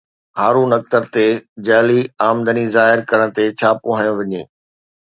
هارون اختر تي جعلي آمدني ظاهر ڪرڻ تي ڇاپو هنيو وڃي